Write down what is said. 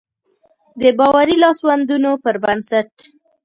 د باوري لاسوندونو پر بنسټ.